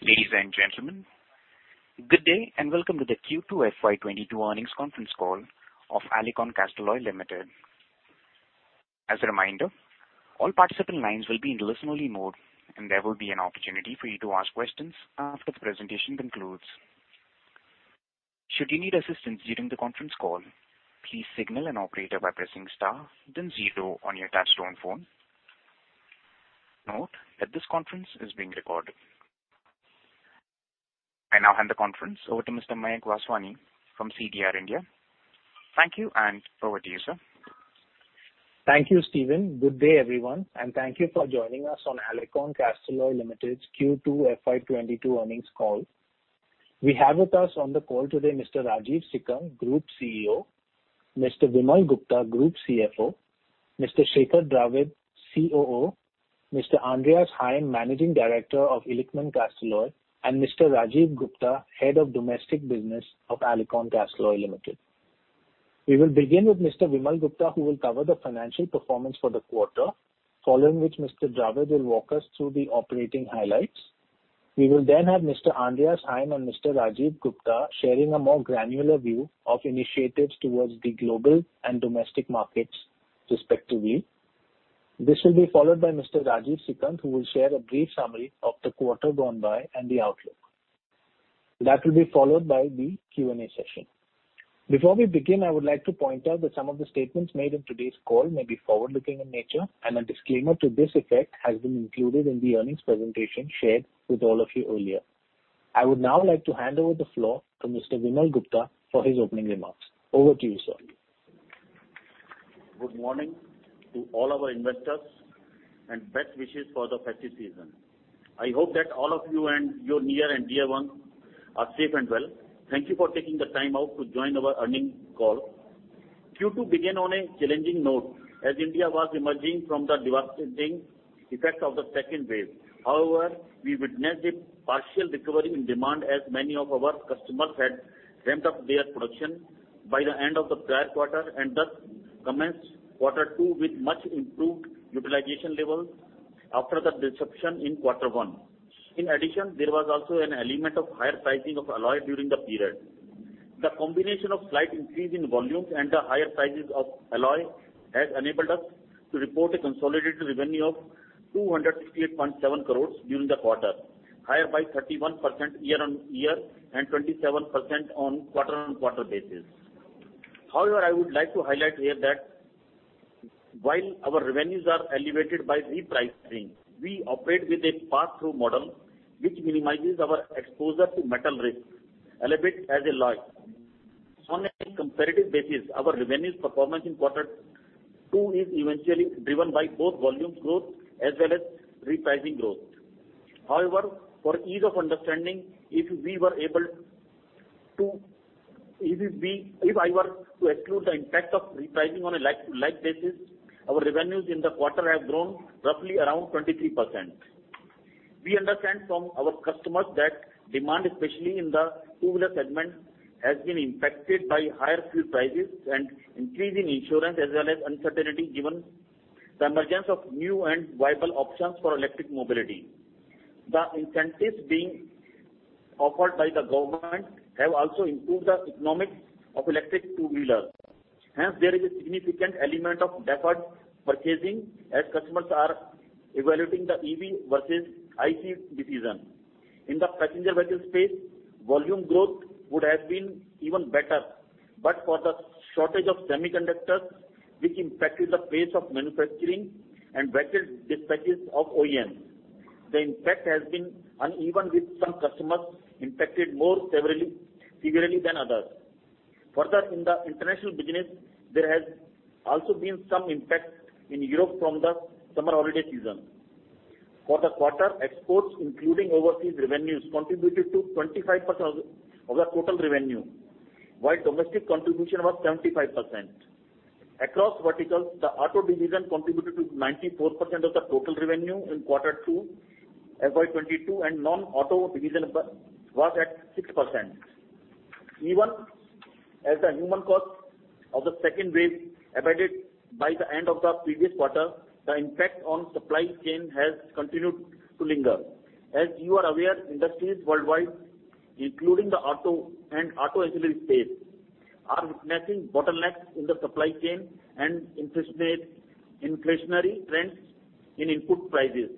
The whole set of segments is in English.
Ladies and gentlemen, good day, and welcome to the Q2 FY 2022 earnings conference call of Alicon Castalloy Limited. As a reminder, all participant lines will be in listen-only mode, and there will be an opportunity for you to ask questions after the presentation concludes. Should you need assistance during the conference call, please signal an operator by pressing star then zero on your touchtone phone. Note that this conference is being recorded. I now hand the conference over to Mr. Mayank Vaswani from CDR India. Thank you, and over to you, sir. Thank you, Stephen. Good day, everyone, and thank you for joining us on Alicon Castalloy Limited's Q2 FY 2022 earnings call. We have with us on the call today Mr. Rajeev Sikand, Group CEO, Mr. Vimal Gupta, Group CFO, Mr. Shekhar Dravid, COO, Mr. Andreas Heim, Managing Director of Illichmann Castalloy, and Mr. Rajiv Gupta, Head of Domestic Business of Alicon Castalloy Limited. We will begin with Mr. Vimal Gupta, who will cover the financial performance for the quarter, following which Mr. Dravid will walk us through the operating highlights. We will then have Mr. Andreas Heim and Mr. Rajiv Gupta sharing a more granular view of initiatives towards the global and domestic markets respectively. This will be followed by Mr. Rajeev Sikand, who will share a brief summary of the quarter gone by and the outlook. That will be followed by the Q&A session. Before we begin, I would like to point out that some of the statements made in today's call may be forward-looking in nature, and a disclaimer to this effect has been included in the earnings presentation shared with all of you earlier. I would now like to hand over the floor to Mr. Vimal Gupta for his opening remarks. Over to you, sir. Good morning to all our investors and best wishes for the festive season. I hope that all of you and your near and dear ones are safe and well. Thank you for taking the time out to join our earnings call. Q2 began on a challenging note as India was emerging from the devastating effect of the second wave. However, we witnessed a partial recovery in demand as many of our customers had ramped up their production by the end of the prior quarter and thus commenced quarter two with much improved utilization levels after the disruption in quarter one. In addition, there was also an element of higher pricing of alloy during the period. The combination of slight increase in volumes and the higher prices of alloy has enabled us to report a consolidated revenue of 268.7 crores during the quarter, higher by 31% year-on-year and 27% on quarter-on-quarter basis. However, I would like to highlight here that while our revenues are elevated by repricing, we operate with a pass-through model which minimizes our exposure to metal risk, albeit as an alloy. On a comparative basis, our revenues performance in quarter two is eventually driven by both volume growth as well as repricing growth. However, for ease of understanding, if I were to exclude the impact of repricing on a like-for-like basis, our revenues in the quarter have grown roughly around 23%. We understand from our customers that demand, especially in the two-wheeler segment, has been impacted by higher fuel prices and increase in insurance as well as uncertainty given the emergence of new and viable options for electric mobility. The incentives being offered by the government have also improved the economics of electric two-wheelers. Hence, there is a significant element of deferred purchasing as customers are evaluating the EV versus ICE decision. In the passenger vehicle space, volume growth would have been even better but for the shortage of semiconductors which impacted the pace of manufacturing and vehicle dispatches of OEMs. The impact has been uneven, with some customers impacted more severely than others. Further, in the international business, there has also been some impact in Europe from the summer holiday season. For the quarter, exports including overseas revenues contributed to 25% of the total revenue, while domestic contribution was 75%. Across verticals, the auto division contributed to 94% of the total revenue in Q2 FY 2022, and non-auto division was at 6%. Even as the human cost of the second wave abated by the end of the previous quarter, the impact on supply chain has continued to linger. As you are aware, industries worldwide, including the auto and auto ancillary space, are witnessing bottlenecks in the supply chain and interstate inflationary trends in input prices.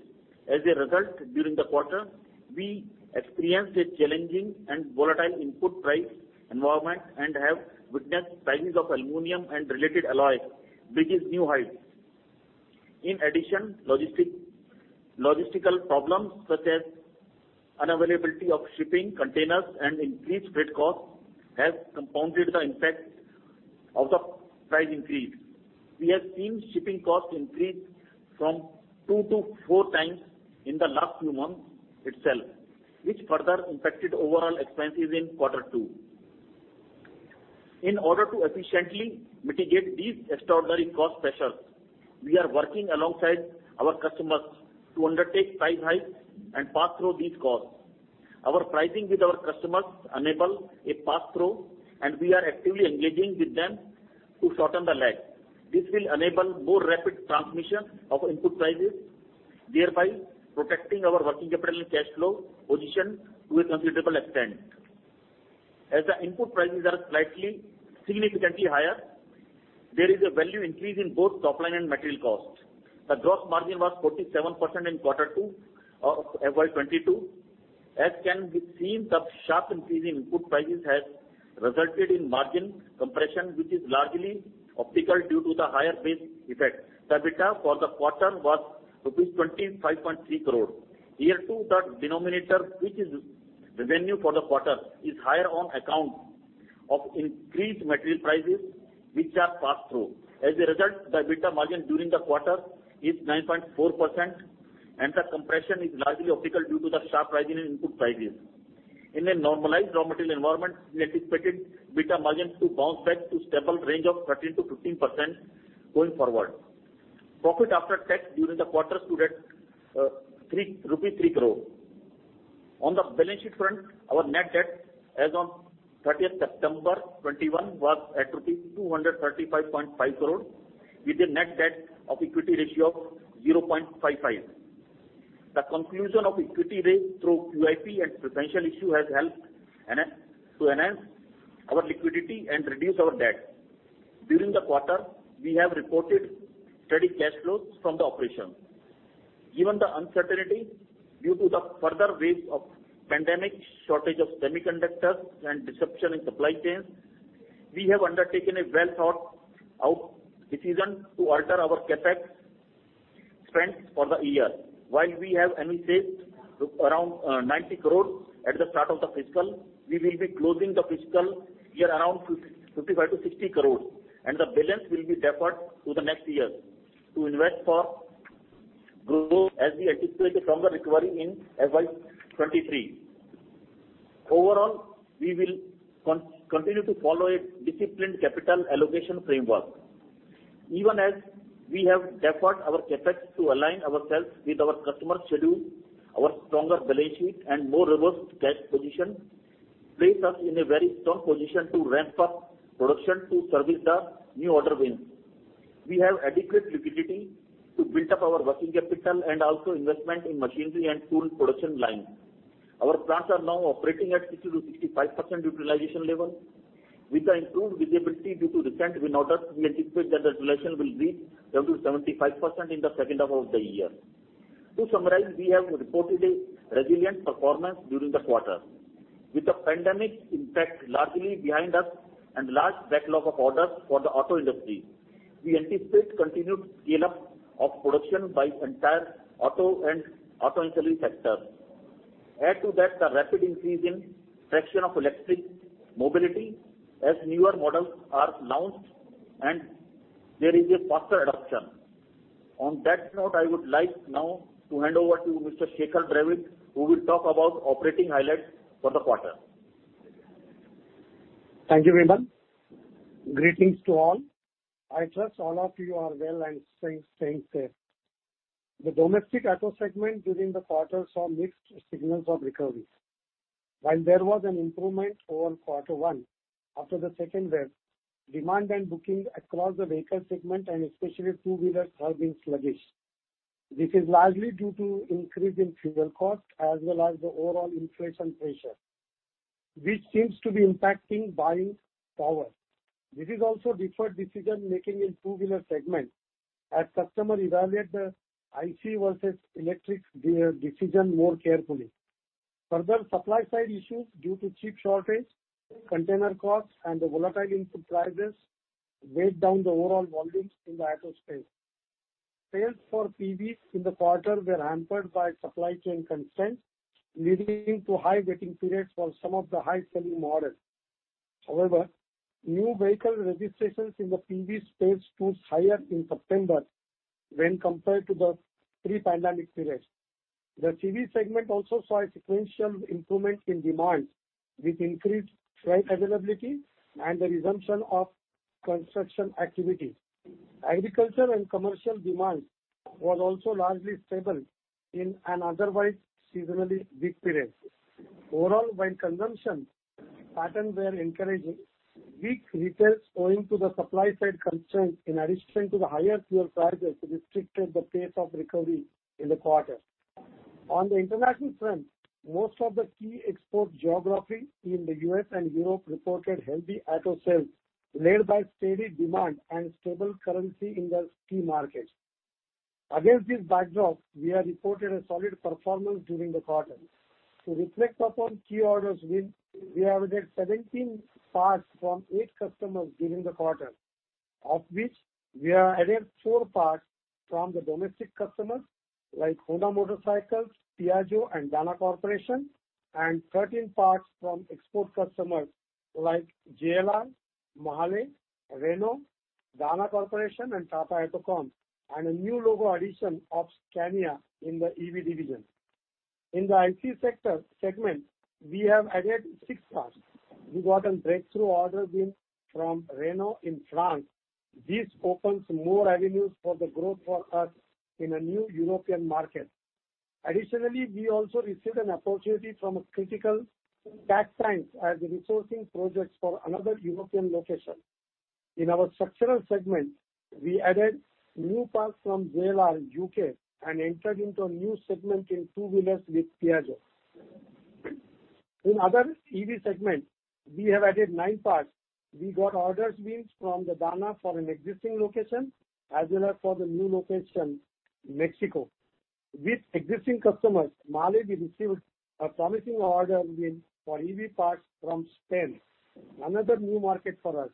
As a result, during the quarter, we experienced a challenging and volatile input price environment and have witnessed prices of aluminum and related alloys reach its new heights. In addition, logistical problems such as unavailability of shipping containers and increased freight costs have compounded the impact of the price increase. We have seen shipping costs increase from two to four times in the last few months itself, which further impacted overall expenses in quarter two. In order to efficiently mitigate these extraordinary cost pressures, we are working alongside our customers to undertake price hikes and pass through these costs. Our pricing with our customers enable a pass-through, and we are actively engaging with them to shorten the lag. This will enable more rapid transmission of input prices, thereby protecting our working capital and cash flow position to a considerable extent. As the input prices are significantly higher, there is a value increase in both top line and material costs. The gross margin was 47% in quarter two of FY 2022. As can be seen, the sharp increase in input prices has resulted in margin compression, which is largely optical due to the higher base effect. The EBITDA for the quarter was rupees 25.3 crore. Here, too, the denominator, which is revenue for the quarter, is higher on account of increased material prices, which are passed through. As a result, the EBITDA margin during the quarter is 9.4%, and the compression is largely optical due to the sharp rise in input prices. In a normalized raw material environment, we anticipated EBITDA margins to bounce back to stable range of 13%-15% going forward. Profit after tax during the quarter stood at rupee 3 crore. On the balance sheet front, our net debt as on 30th September 2021 was at rupees 235.5 crore, with a net debt-to-equity ratio of 0.55. The conclusion of equity raise through QIP and preferential issue has helped to enhance our liquidity and reduce our debt. During the quarter, we have reported steady cash flows from the operation. Given the uncertainty due to the further wave of pandemic, shortage of semiconductors and disruption in supply chains, we have undertaken a well-thought-out decision to alter our CapEx spend for the year. While we have anticipated around 90 crore at the start of the fiscal, we will be closing the fiscal year around 55 crore-60 crore, and the balance will be deferred to the next year to invest for growth as we anticipate a stronger recovery in FY 2023. Overall, we will continue to follow a disciplined capital allocation framework. Even as we have deferred our CapEx to align ourselves with our customer schedule, our stronger balance sheet and more robust cash position place us in a very strong position to ramp up production to service the new order wins. We have adequate liquidity to build up our working capital and also investment in machinery and tool production line. Our plants are now operating at 60%-65% utilization level. With the improved visibility due to recent win orders, we anticipate that the utilization will reach 70%-75% in the second half of the year. To summarize, we have reported a resilient performance during the quarter. With the pandemic impact largely behind us and large backlog of orders for the auto industry, we anticipate continued scale-up of production by entire auto and auto ancillary sector. Add to that the rapid increase in traction of electric mobility as newer models are launched and there is a faster adoption. On that note, I would like now to hand over to Mr. Shekhar Dravid, who will talk about operating highlights for the quarter. Thank you, Vimal. Greetings to all. I trust all of you are well and staying safe. The domestic auto segment during the quarter saw mixed signals of recovery. While there was an improvement over quarter one, after the second wave, demand and bookings across the vehicle segment and especially two-wheelers have been sluggish. This is largely due to increase in fuel cost as well as the overall inflation pressure, which seems to be impacting buying power. This is also deferred decision-making in two-wheeler segment as customer evaluate the ICE versus electric decision more carefully. Further supply side issues due to chip shortage, container costs and the volatile input prices weighed down the overall volumes in the auto space. Sales for PVs in the quarter were hampered by supply chain constraints, leading to high waiting periods for some of the high-selling models. However, new vehicle registrations in the PV space stood higher in September when compared to the pre-pandemic periods. The CV segment also saw a sequential improvement in demand with increased truck availability and the resumption of construction activity. Agriculture and commercial demand was also largely stable in an otherwise seasonally weak period. Overall, while consumption patterns were encouraging, weak retail owing to the supply side constraints in addition to the higher fuel prices restricted the pace of recovery in the quarter. On the international front, most of the key export geographies in the U.S. and Europe reported healthy auto sales led by steady demand and stable currency in the key markets. Against this backdrop, we have reported a solid performance during the quarter. To reflect upon key order wins, we have added 17 parts from eight customers during the quarter, of which we have added four parts from the domestic customers like Honda Motorcycles, Piaggio and Dana Incorporated, and 13 parts from export customers like JLR, Mahle, Renault, Dana Incorporated and Tata AutoComp, and a new logo addition of Scania in the EV division. In the ICE segment, we have added 6 parts. We got a breakthrough order win from Renault in France. This opens more avenues for the growth for us in a new European market. Additionally, we also received an opportunity from a critical Tier 1 customer's resourcing projects for another European location. In our structural segment, we added new parts from JLR U.K. and entered into a new segment in two-wheelers with Piaggio. In other EV segment, we have added nine parts. We got order wins from Dana for an existing location as well as for the new location, Mexico. With existing customers, Mahle, we received a promising order win for EV parts from Spain, another new market for us.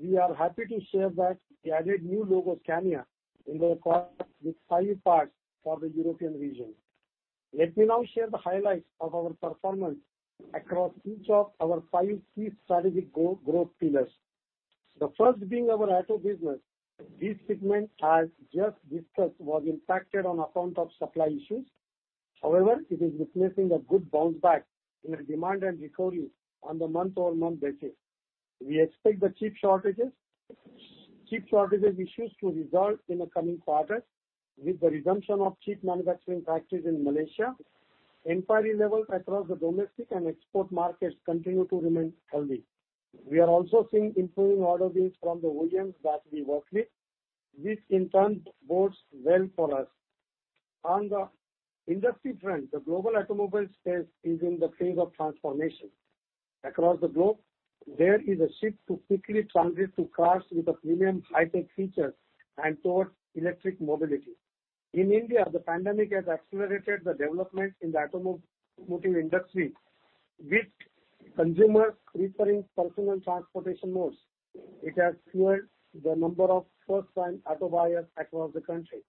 We are happy to share that we added new logo, Scania, in the quarter with five parts for the European region. Let me now share the highlights of our performance across each of our five key strategic growth pillars. The first being our auto business. This segment, as just discussed, was impacted on account of supply issues. However, it is witnessing a good bounce back in the demand and recovery on the month-over-month basis. We expect the chip shortages issues to resolve in the coming quarter with the resumption of chip manufacturing factories in Malaysia. Inquiry levels across the domestic and export markets continue to remain healthy. We are also seeing improving order wins from the OEMs that we work with, which in turn bodes well for us. On the industry front, the global automobile space is in the phase of transformation. Across the globe, there is a shift to quickly transition to cars with a premium high-tech feature and towards electric mobility. In India, the pandemic has accelerated the development in the automotive industry, with consumers preferring personal transportation modes. It has fueled the number of first-time auto buyers across the country.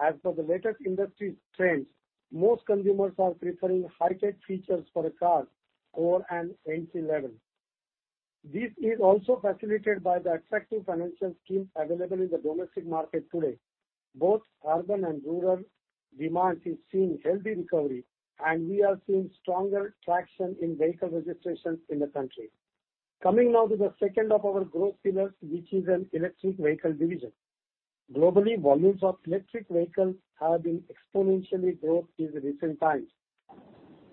As per the latest industry trends, most consumers are preferring high-tech features for a car over a range level. This is also facilitated by the attractive financial schemes available in the domestic market today. Both urban and rural demand is seeing healthy recovery, and we are seeing stronger traction in vehicle registrations in the country. Coming now to the second of our growth pillars, which is an electric vehicle division. Globally, volumes of electric vehicles have been exponential growth in recent times.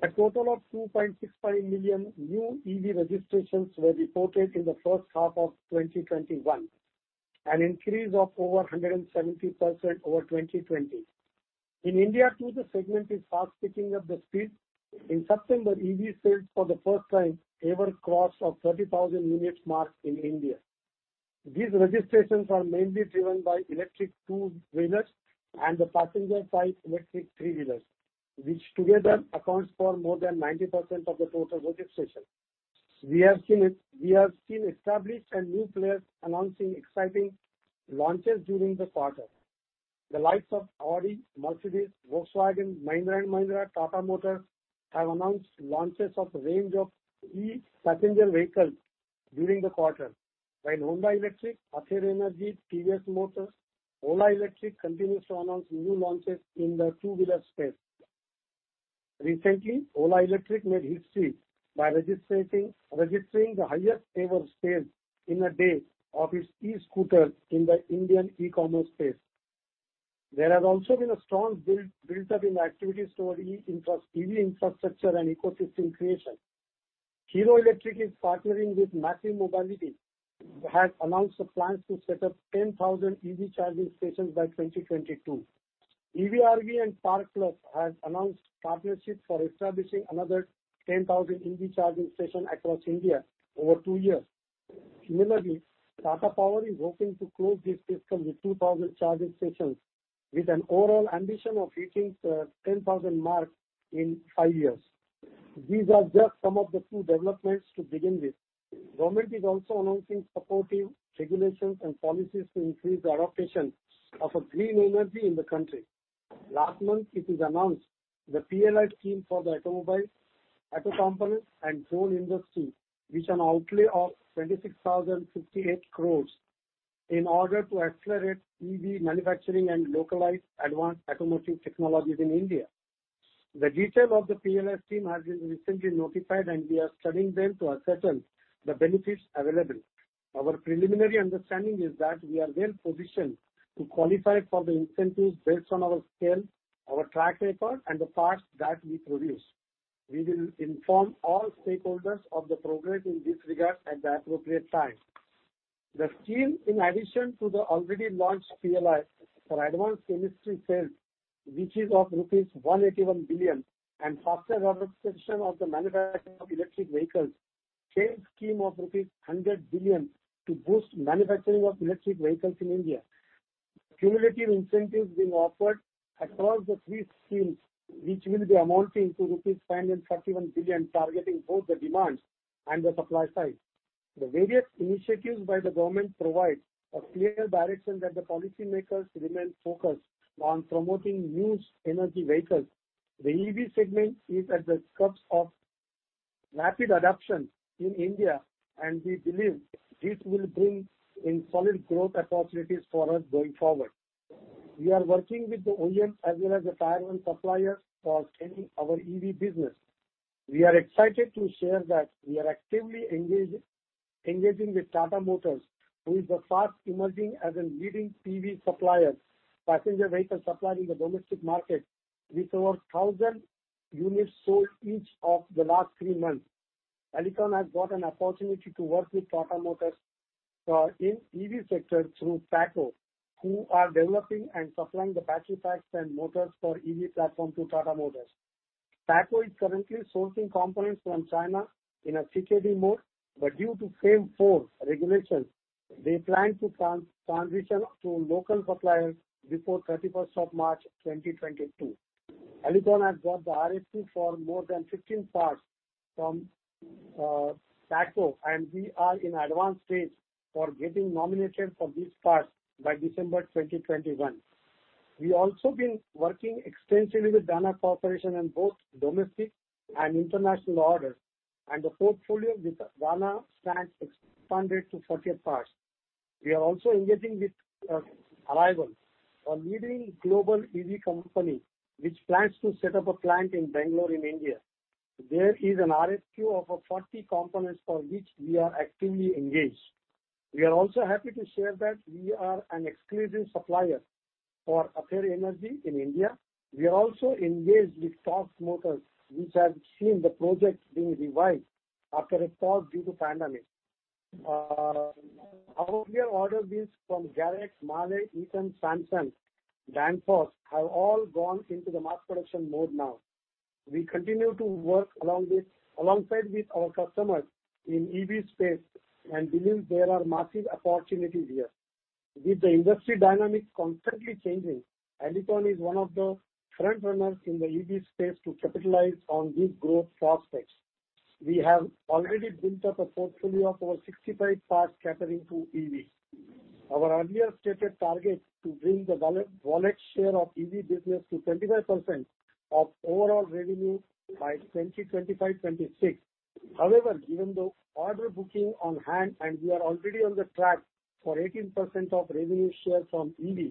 A total of 2.65 million new EV registrations were reported in the first half of 2021, an increase of over 170% over 2020. In India, too, the segment is fast picking up speed. In September, EV sales for the first time ever crossed a 30,000 units mark in India. These registrations are mainly driven by electric two-wheelers and the passenger type electric three-wheelers, which together accounts for more than 90% of the total registrations. We have seen established and new players announcing exciting launches during the quarter. The likes of Audi, Mercedes, Volkswagen, Mahindra & Mahindra, Tata Motors have announced launches of a range of e-passenger vehicles during the quarter, while Honda Electric, Ather Energy, TVS Motors, Ola Electric continues to announce new launches in the two-wheeler space. Recently, Ola Electric made history by registering the highest ever sales in a day of its e-scooter in the Indian e-commerce space. There has also been a strong build-up in activities toward EV infrastructure and ecosystem creation. Hero Electric is partnering with Maxim Mobility, has announced the plans to set up 10,000 EV charging stations by 2022. EVRE and Park+ has announced partnership for establishing another 10,000 EV charging stations across India over two years. Similarly, Tata Power is hoping to close this fiscal with 2,000 charging stations, with an overall ambition of reaching 10,000 mark in five years. These are just some of the few developments to begin with. Government is also announcing supportive regulations and policies to increase the adoption of a green energy in the country. Last month, it is announced the PLI scheme for the automobile, auto components and drone industry, with an outlay of 26,058 crore in order to accelerate EV manufacturing and localize advanced automotive technologies in India. The detail of the PLI scheme has been recently notified, and we are studying them to ascertain the benefits available. Our preliminary understanding is that we are well positioned to qualify for the incentives based on our scale, our track record and the parts that we produce. We will inform all stakeholders of the progress in this regard at the appropriate time. The scheme, in addition to the already launched PLI for advanced chemistry cells, which is of rupees 181 billion, and Faster Adoption of the Manufacturing of Electric Vehicles, FAME scheme of rupees 100 billion to boost manufacturing of electric vehicles in India. Cumulative incentives being offered across the three schemes, which will be amounting to rupees 281 billion, targeting both the demand and the supply side. The various initiatives by the government provide a clear direction that the policymakers remain focused on promoting new energy vehicles. The EV segment is at the cusp of rapid adoption in India, and we believe this will bring in solid growth opportunities for us going forward. We are working with the OEM as well as the Tier 1 supplier for scaling our EV business. We are excited to share that we are actively engaging with Tata Motors, who is fast emerging as a leading PV supplier, passenger vehicle supplier in the domestic market, with over 1,000 units sold each of the last three months. Alicon has got an opportunity to work with Tata Motors in EV sector through THACO, who are developing and supplying the battery packs and motors for EV platform to Tata Motors. THACO is currently sourcing components from China in a CKD mode, but due to FAME II regulations, they plan to transition to local suppliers before thirty-first of March 2022. Alicon has got the RFQ for more than 15 parts from THACO, and we are in advanced stage for getting nominated for these parts by December 2021. We also been working extensively with Dana Incorporated on both domestic and international orders, and the portfolio with Dana stands expanded to 30 parts. We are also engaging with Arrival, a leading global EV company which plans to set up a plant in Bangalore in India. There is an RFQ of over 40 components for which we are actively engaged. We are also happy to share that we are an exclusive supplier for Ather Energy in India. We are also engaged with Tork Motors, which have seen the projects being revised after a pause due to pandemic. Our earlier order wins from Garrett, Mahle, Eaton, Sanden, Danfoss have all gone into the mass production mode now. We continue to work alongside with our customers in EV space and believe there are massive opportunities here. With the industry dynamics constantly changing, Alicon is one of the front runners in the EV space to capitalize on this growth prospects. We have already built up a portfolio of over 65 parts catering to EV. Our earlier stated target to bring the wallet share of EV business to 25% of overall revenue by 2025, 2026. However, given the order booking on hand and we are already on the track for 18% of revenue share from EV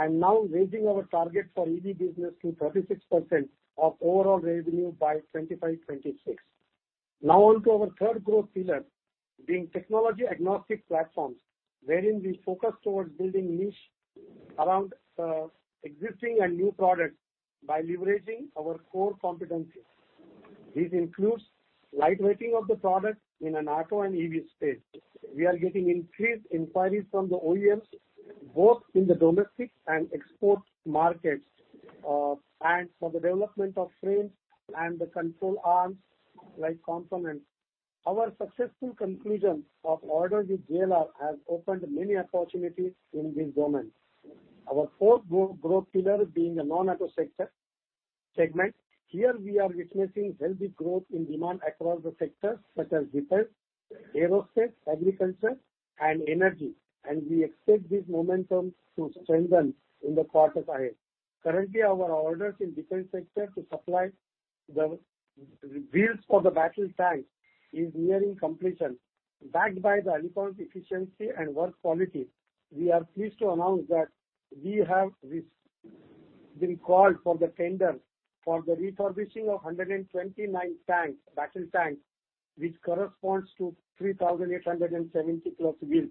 and now raising our target for EV business to 36% of overall revenue by 2025, 2026. Now on to our third growth pillar, being technology-agnostic platforms, wherein we focus towards building niche around existing and new products by leveraging our core competencies. This includes light weighting of the products in an auto and EV space. We are getting increased inquiries from the OEMs, both in the domestic and export markets, and for the development of frames and the control arms like components. Our successful conclusion of order with JLR has opened many opportunities in this domain. Our fourth growth pillar, being a non-auto sector segment, here we are witnessing healthy growth in demand across the sectors such as defense, aerospace, agriculture, and energy, and we expect this momentum to strengthen in the quarters ahead. Currently, our orders in defense sector to supply the wheels for the battle tanks is nearing completion, backed by Alicon's efficie.ncy and work quality. We are pleased to announce that we have been called for the tender for the refurbishing of 129 tanks, battle tanks, which corresponds to 3,870+ wheels,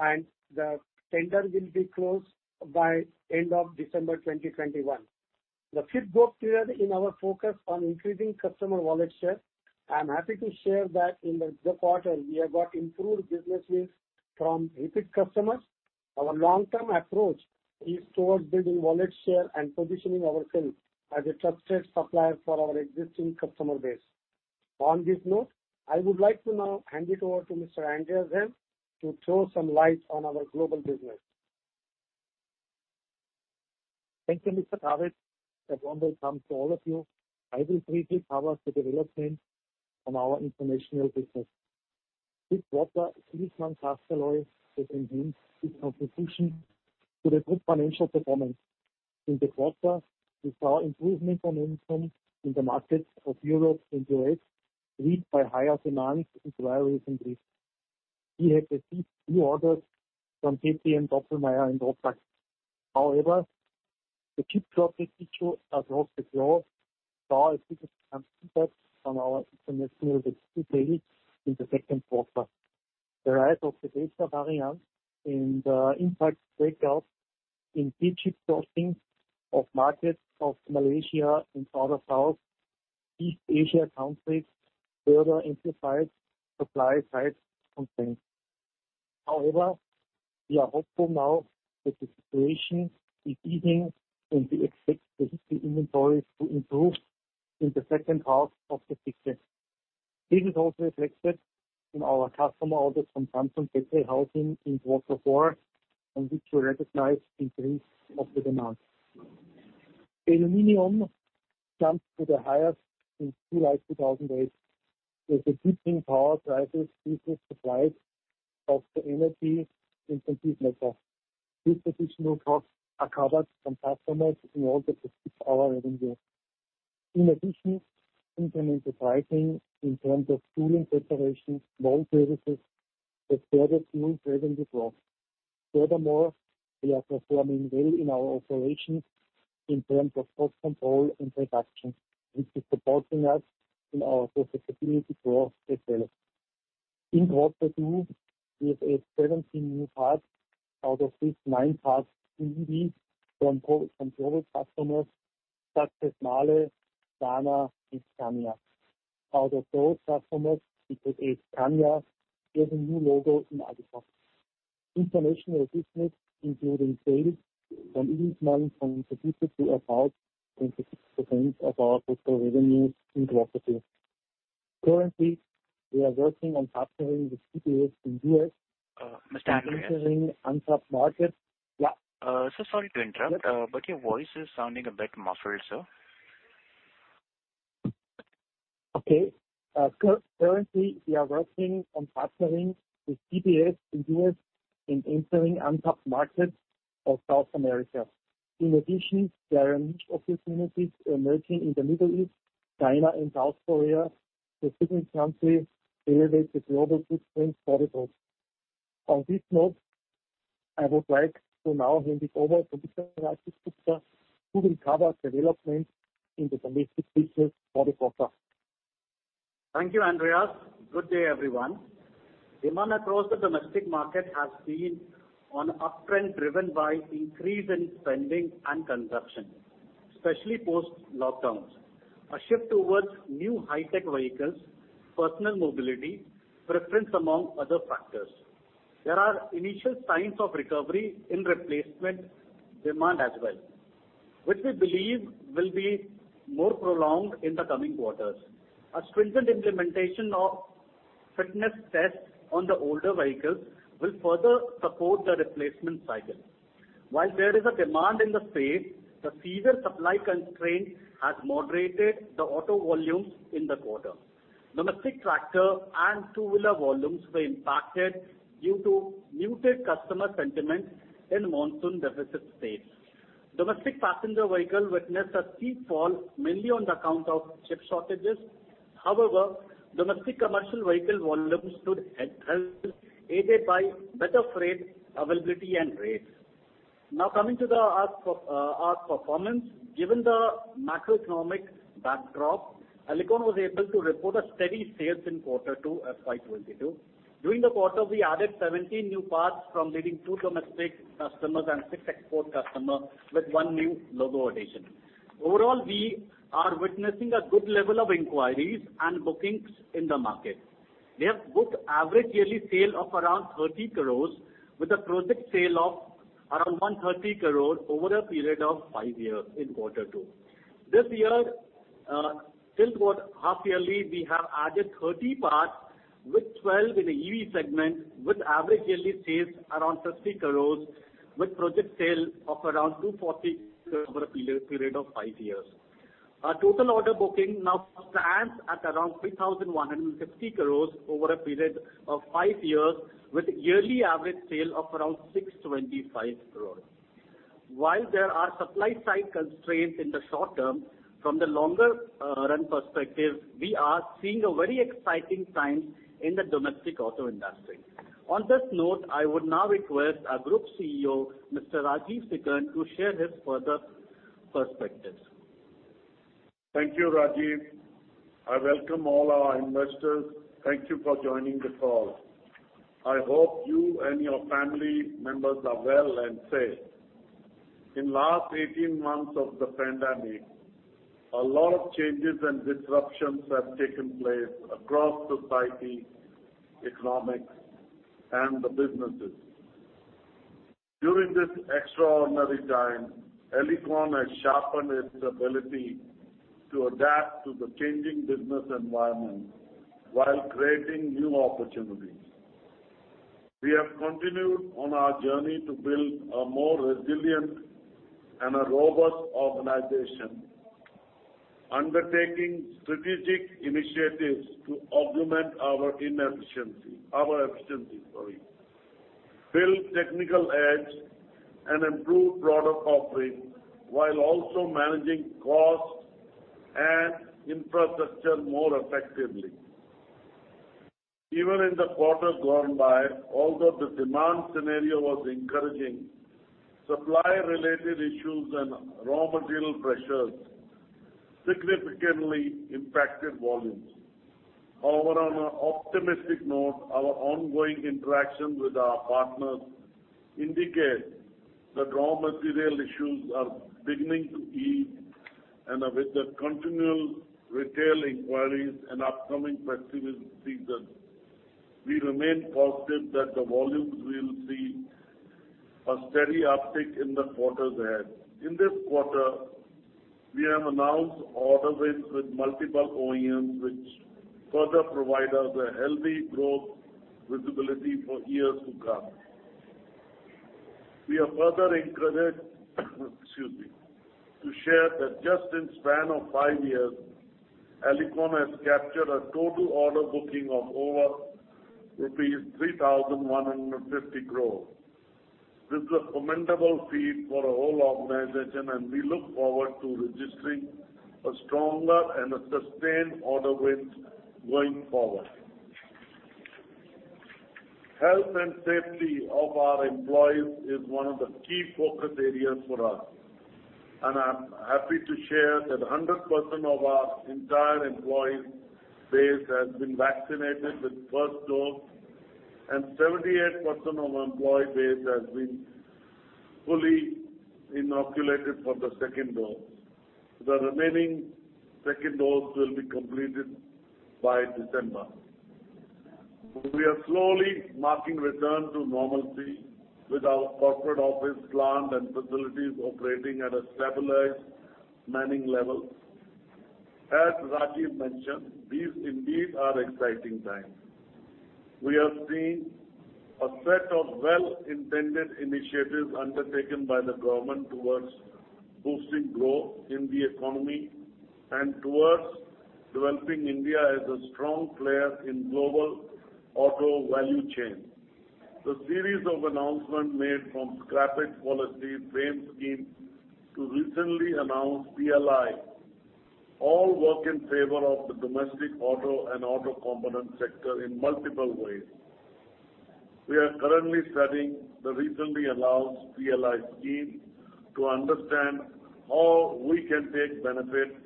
and the tender will be closed by end of December 2021. The fifth growth pillar in our focus on increasing customer wallet share. I'm happy to share that in the quarter we have got improved business wins from repeat customers. Our long-term approach is towards building wallet share and positioning ourselves as a trusted supplier for our existing customer base. On this note, I would like to now hand it over to Mr. Andreas Heim to throw some light on our global business. Thank you, Mr. Rajiv. A warm welcome to all of you. I will briefly cover the development on our international business. This quarter, Illichmann Castalloy has enhanced its contribution to the group financial performance. In the quarter, we saw improvement momentum in the markets of Europe and U.S., led by higher demands in railways and grids. We had received new orders from KTM, Doppelmayr and Rothbach. The chip shortage issue across the globe saw a significant impact on our international business sales in the second quarter. The rise of the Delta variant and impact breakouts in key chip sourcing of markets of Malaysia and other South East Asia countries further amplified supply side constraints. We are hopeful now that the situation is easing, and we expect the inventory to improve in the second half of the fiscal. This is also reflected in our customer orders from Samsung battery housing in quarter four, on which we recognize increase of the demand. Aluminum jumped to the highest in 2008 with the dipping power prices due to supply of the energy in China. These additional costs are covered from customers in order to keep our revenue. In addition, incremental pricing in terms of tooling preparation, mold services has further fueled revenue growth. Furthermore, we are performing well in our operations in terms of cost control and reduction, which is supporting us in our profitability growth as well. In quarter two, we have added 17 new parts out of which nine parts will be from global customers such as Mahle, Dana and Scania. Out of those customers, we could add Scania as a new logo in our book. International business, including sales from Illichmann, contributed to about 26% of our total revenues in quarter two. Currently, we are working on partnering with CBS in U.S.- Mr. Andreas? entering untapped markets. Yeah. Sir, sorry to interrupt. Yes. Your voice is sounding a bit muffled, sir. Currently, we are working on partnering with CBS in the U.S. in entering untapped markets of South America. In addition, there are niche opportunities emerging in the Middle East, China and South Korea to significantly elevate the global footprint for the group. On this note, I would like to now hand it over to Mr. Rajiv Gupta, who will cover development in the domestic business for the quarter. Thank you, Andreas. Good day, everyone. Demand across the domestic market has been on an uptrend driven by increase in spending and consumption, especially post-lockdowns. A shift towards new high-tech vehicles, personal mobility, preference, among other factors. There are initial signs of recovery in replacement demand as well, which we believe will be more prolonged in the coming quarters. A stringent implementation of fitness tests on the older vehicles will further support the replacement cycle. While there is a demand in the space, the severe supply constraint has moderated the auto volumes in the quarter. Domestic tractor and two-wheeler volumes were impacted due to muted customer sentiment in monsoon-deficit states. Domestic passenger vehicle witnessed a steep fall, mainly on account of chip shortages. However, domestic commercial vehicle volumes stood held, aided by better freight availability and rates. Now coming to our performance. Given the macroeconomic backdrop, Alicon was able to report steady sales in quarter two of 2022. During the quarter, we added 17 new parts from leading two domestic customers and six export customer with 1 new logo addition. Overall, we are witnessing a good level of inquiries and bookings in the market. We have booked average yearly sale of around 30 crore with a project sale of around 130 crore over a period of five years in quarter two. This year, till about half yearly, we have added 30 parts with 12 in the EV segment, with average yearly sales around 50 crore, with project sale of around 240 crore over a period of five years. Our total order booking now stands at around 3,150 crores over a period of five years, with yearly average sale of around 625 crores. While there are supply side constraints in the short term, from the longer run perspective, we are seeing a very exciting time in the domestic auto industry. On this note, I would now request our Group CEO, Mr. Rajeev Sikand, to share his further perspectives. Thank you, Rajiv. I welcome all our investors. Thank you for joining the call. I hope you and your family members are well and safe. In last 18 months of the pandemic, a lot of changes and disruptions have taken place across society, economics, and the businesses. During this extraordinary time, Alicon has sharpened its ability to adapt to the changing business environment while creating new opportunities. We have continued on our journey to build a more resilient and a robust organization, undertaking strategic initiatives to augment our efficiency, build technical edge and improve product offering while also managing costs and infrastructure more effectively. Even in the quarter gone by, although the demand scenario was encouraging, supply-related issues and raw material pressures significantly impacted volumes. However, on an optimistic note, our ongoing interactions with our partners indicate that raw material issues are beginning to ease. With the continual retail inquiries and upcoming festival season, we remain positive that the volumes will see a steady uptick in the quarters ahead. In this quarter, we have announced order wins with multiple OEMs, which further provide us a healthy growth visibility for years to come. We are further encouraged, excuse me, to share that just in span of five years, Alicon has captured a total order booking of over rupees 3,150 crores. This is a commendable feat for our whole organization, and we look forward to registering a stronger and a sustained order wins going forward. Health and safety of our employees is one of the key focus areas for us, and I'm happy to share that 100% of our entire employee base has been vaccinated with first dose and 78% of employee base has been fully inoculated for the second dose. The remaining second dose will be completed by December. We are slowly marking return to normalcy with our corporate office plant and facilities operating at a stabilized manning level. As Rajiv mentioned, these indeed are exciting times. We have seen a set of well-intended initiatives undertaken by the government towards boosting growth in the economy and towards developing India as a strong player in global auto value chain. The series of announcements made from scrappage policy, FAME scheme to recently announced PLI, all work in favor of the domestic auto and auto component sector in multiple ways. We are currently studying the recently announced PLI scheme to understand how we can take benefit,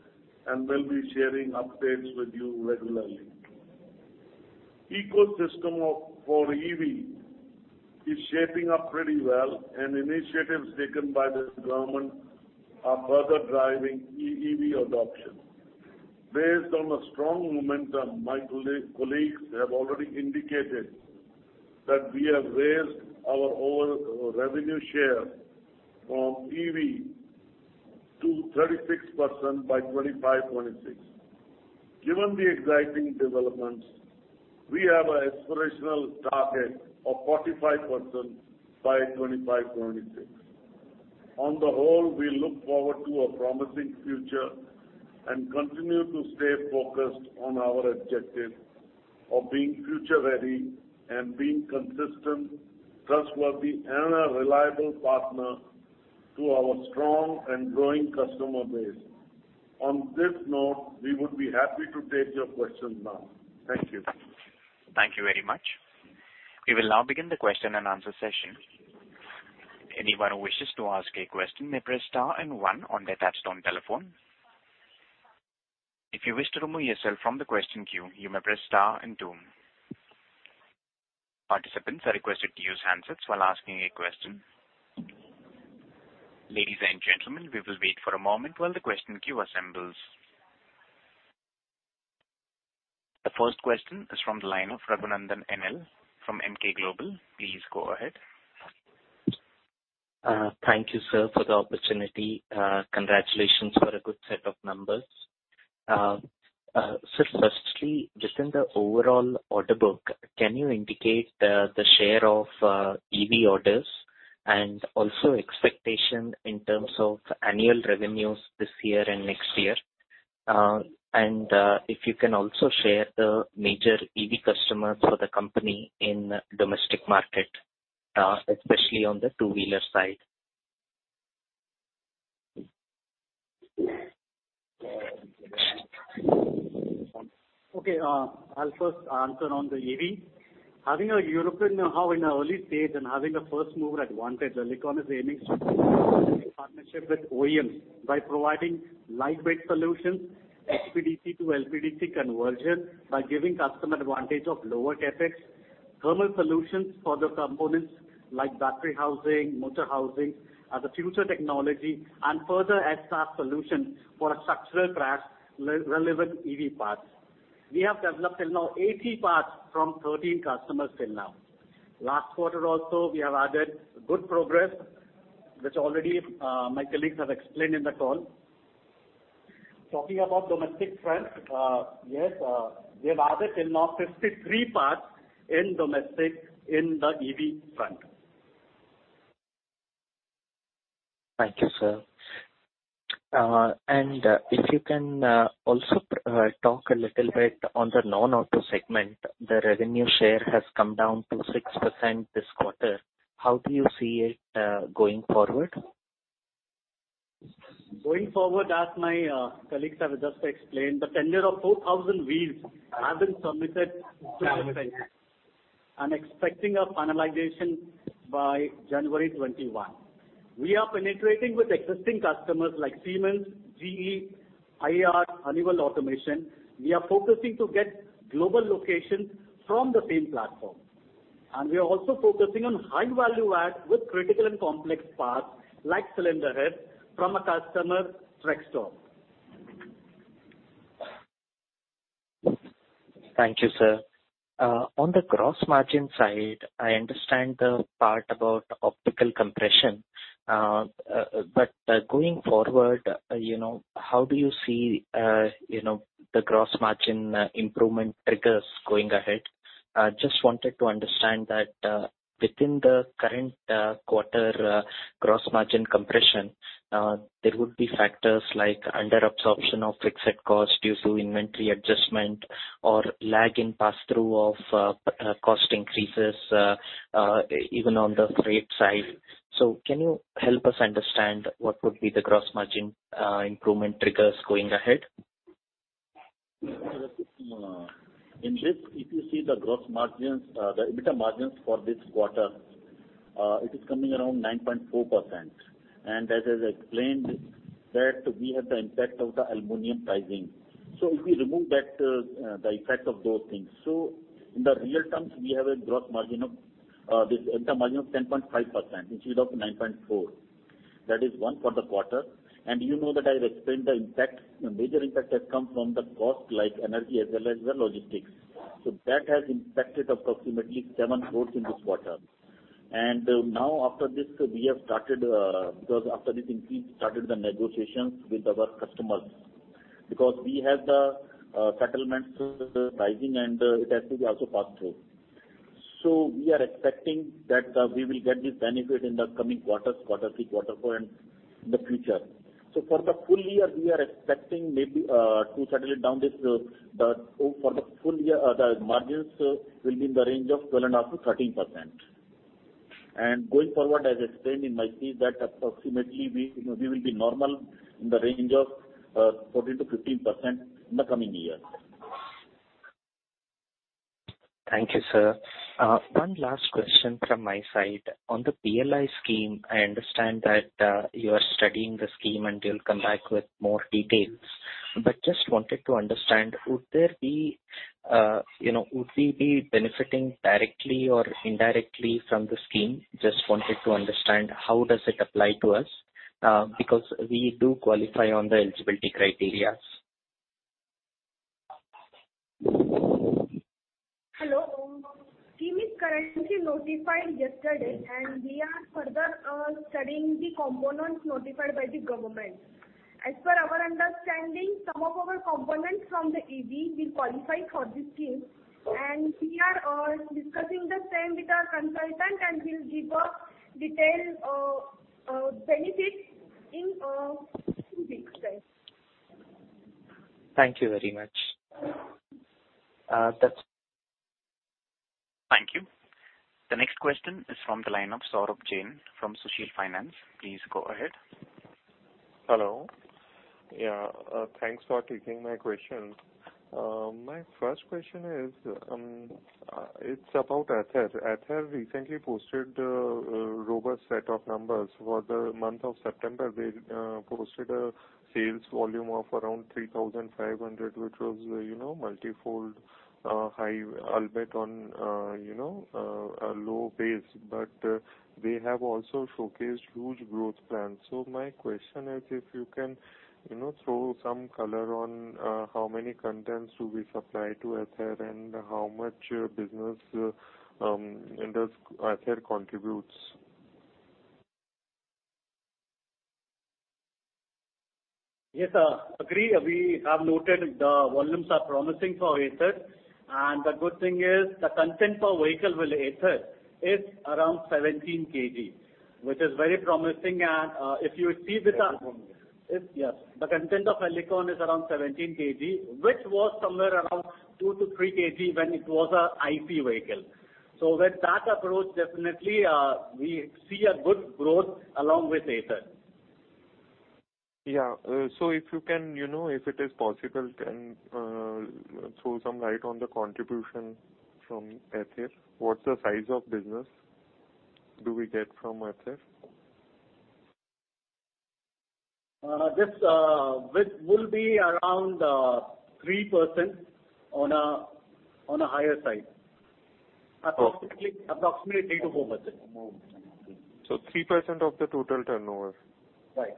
and we'll be sharing updates with you regularly. The ecosystem for EV is shaping up pretty well and initiatives taken by the government are further driving EV adoption. Based on the strong momentum, my colleagues have already indicated that we have raised our own revenue share from EV to 36% by 2025-2026. Given the exciting developments, we have an aspirational target of 45% by 2025-26. On the whole, we look forward to a promising future and continue to stay focused on our objective of being future-ready and being consistent, trustworthy, and a reliable partner to our strong and growing customer base. On this note, we would be happy to take your questions now. Thank you. Thank you very much. We will now begin the question-and-answer session. Anyone who wishes to ask a question may press star and one on their touchtone telephone. If you wish to remove yourself from the question queue, you may press star and two. Participants are requested to use handsets while asking a question. Ladies and gentlemen, we will wait for a moment while the question queue assembles. The first question is from the line of Raghunandhan NL from Emkay Global. Please go ahead. Thank you, sir, for the opportunity. Congratulations for a good set of numbers. Sir, firstly, just in the overall order book, can you indicate the share of EV orders and also expectation in terms of annual revenues this year and next year? If you can also share the major EV customers for the company in domestic market, especially on the two-wheeler side? Okay. I'll first answer on the EV. Having a European know-how in early stage and having a first mover advantage, Alicon is aiming to partnership with OEMs by providing lightweight solutions, HPDC to LPDC conversion by giving customer advantage of lower CapEx, thermal solutions for the components like battery housing, motor housing as a future technology and further add solutions for structural crash relevant EV parts. We have developed till now 80 parts from 13 customers till now. Last quarter also, we have added good progress, which already, my colleagues have explained in the call. Talking about domestic front, yes, we have added till now 53 parts in domestic in the EV front. Thank you, sir. If you can also talk a little bit on the non-auto segment, the revenue share has come down to 6% this quarter. How do you see it, going forward? Going forward, as my colleagues have just explained, the tender of 4,000 wheels has been submitted to RFx and expecting a finalization by January 2021. We are penetrating with existing customers like Siemens, GE, IR, Honeywell Automation. We are focusing to get global locations from the same platform. We are also focusing on high value add with critical and complex parts like cylinder head from a customer Trextol. Thank you, sir. On the gross margin side, I understand the part about overall compression. But going forward, you know, how do you see the gross margin improvement triggers going ahead? I just wanted to understand that, within the current quarter, gross margin compression, there would be factors like under absorption of fixed cost due to inventory adjustment or lag in pass-through of cost increases, even on the freight side. Can you help us understand what would be the gross margin improvement triggers going ahead? In this, if you see the gross margins, the EBITDA margins for this quarter, it is coming around 9.4%. As I explained that we have the impact of the aluminum pricing. If we remove that, the effect of those things. In the real terms we have a gross margin of, this EBITDA margin of 10.5% instead of 9.4. That is one for the quarter. You know that I explained the impact, the major impact has come from the cost, like energy as well as the logistics. That has impacted approximately 7 crore in this quarter. Now after this we have started, because after this increase, started the negotiations with our customers because we have the, settlements rising and it has to be also passed through. We are expecting that we will get this benefit in the coming quarters, quarter three, quarter four and the future. For the full year, we are expecting maybe the margins will be in the range of 12.5%-13%. Going forward, as explained in my speech, that approximately we, you know, we will be normal in the range of 14%-15% in the coming year. Thank you, sir. One last question from my side. On the PLI scheme, I understand that you are studying the scheme and you'll come back with more details. Just wanted to understand, would there be, you know, would we be benefiting directly or indirectly from the scheme? Just wanted to understand how does it apply to us, because we do qualify on the eligibility criteria. Hello. The scheme is currently notified yesterday and we are further studying the components notified by the government. As per our understanding, some of our components from the EV will qualify for this scheme and we are discussing the same with our consultant and we'll give a detailed benefits in two weeks time. Thank you very much. That's. Thank you. The next question is from the line of Saurabh Jain from Sushil Finance. Please go ahead. Hello. Yeah, thanks for taking my question. My first question is, it's about Ather. Ather recently posted a robust set of numbers. For the month of September, they posted a sales volume of around 3,500, which was, you know, multi-fold high, albeit on, you know, a low base. They have also showcased huge growth plans. My question is if you can, you know, throw some color on, how many components do we supply to Ather and how much business in this Ather contributes? Yes, agree. We have noted the volumes are promising for Ather. The good thing is the content per vehicle with Ather is around 17 kg, which is very promising. If you see the content of aluminum is around 17 kg, which was somewhere around 2-3 kg when it was a ICE vehicle. With that approach definitely, we see a good growth along with Ather. If you can, you know, if it is possible, can throw some light on the contribution from Ather. What's the size of business do we get from Ather? This, which will be around 3% on a higher side. Okay. Approximately 3%-4%. 3% of the total turnover? Right.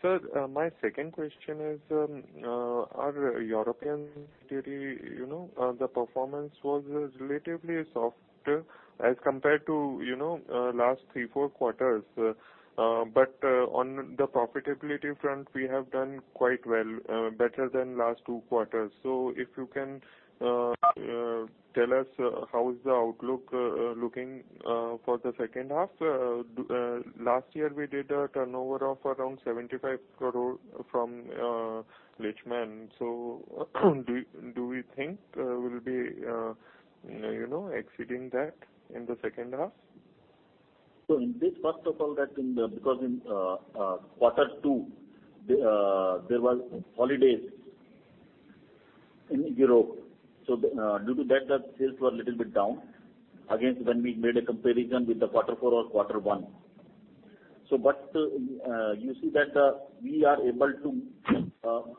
Sir, my second question is, our European unit, you know, the performance was relatively softer as compared to, you know, last three, four quarters. On the profitability front we have done quite well, better than last two quarters. If you can tell us how is the outlook looking for the second half. Last year we did a turnover of around 75 crore from Illichmann. Do we think we'll be, you know, exceeding that in the second half? In this first of all that in the because in quarter two there was holidays in Europe. Due to that the sales were a little bit down against when we made a comparison with the quarter four or quarter one. You see that we are able to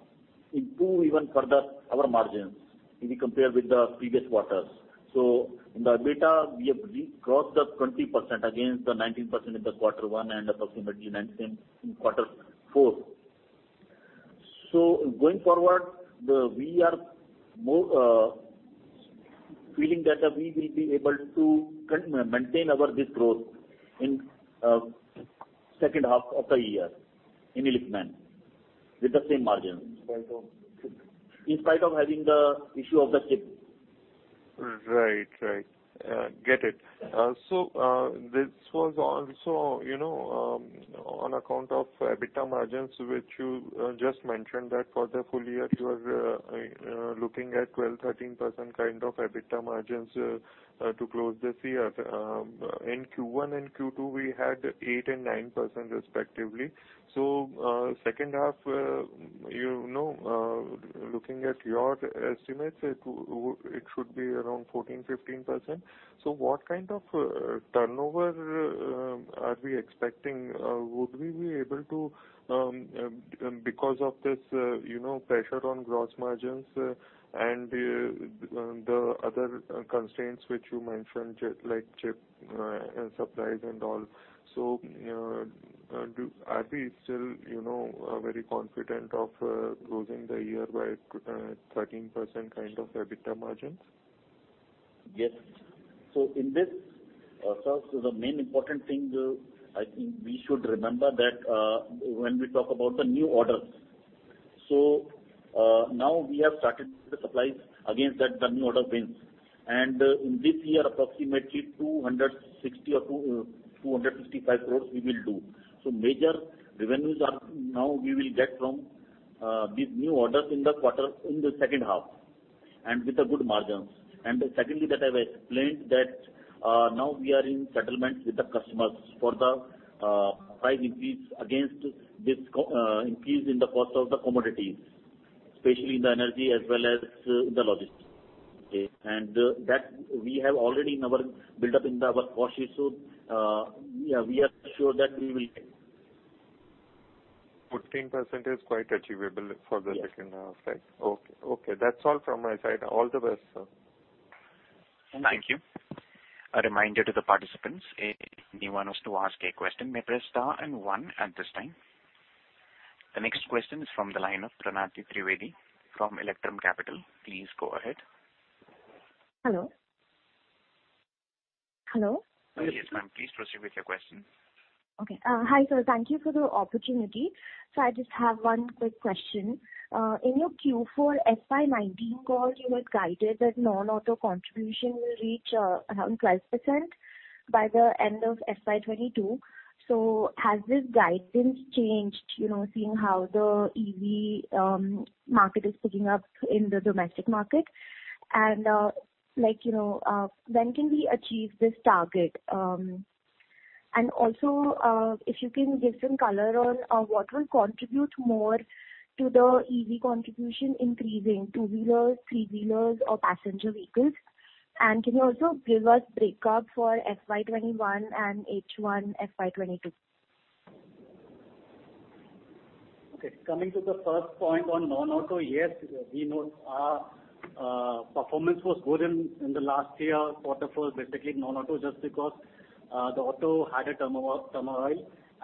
improve even further our margins if we compare with the previous quarters. In the EBITDA we have crossed the 20% against the 19% in the quarter one and approximately 19% in quarter four. Going forward, we are more feeling that we will be able to maintain our this growth in second half of the year in Illichmann with the same margin. Right. In spite of having the issue of the chip. This was also, you know, on account of EBITDA margins which you just mentioned that for the full year you are looking at 12%-13% kind of EBITDA margins to close this year. In Q1 and Q2, we had 8% and 9% respectively. Second half, you know, looking at your estimates, it should be around 14%-15%. What kind of turnover are we expecting? Would we be able to, because of this, you know, pressure on gross margins and the other constraints which you mentioned, like chip supplies and all. You know, are we still, you know, very confident of closing the year by 13% kind of EBITDA margins? Yes. In this, first, the main important thing, I think we should remember that, when we talk about the new orders. Now we have started the supplies against the new order wins. In this year, approximately 260 cores or 255 crores we will do. Major revenues we will get from these new orders in the quarter in the second half, and with the good margins. Secondly, I've explained that, now we are in settlement with the customers for the price increase against the increase in the cost of the commodities, especially in the energy as well as the logistics. Okay. That we have already in our build-up in our cautious. Yeah, we are sure that we will 14% is quite achievable for the second half, right? Yes. Okay. That's all from my side. All the best, sir. Thank you. A reminder to the participants, if anyone wants to ask a question, you may press star and one at this time. The next question is from the line of Pranati Trivedi from Electrum Capital. Please go ahead. Hello? Hello? Yes, ma'am. Please proceed with your question. Okay. Hi, sir. Thank you for the opportunity. I just have one quick question. In your Q4 FY 2019 call, you had guided that non-auto contribution will reach around 12% by the end of FY 2022. Has this guidance changed, you know, seeing how the EV market is picking up in the domestic market? Like, you know, when can we achieve this target? And also, if you can give some color on what will contribute more to the EV contribution increasing, two-wheelers, three-wheelers or passenger vehicles. Can you also give us breakup for FY 2021 and H1 FY 2022? Coming to the first point on non-auto, yes, we know our performance was good in the last year, quarter four, basically non-auto, just because the auto had a turmoil,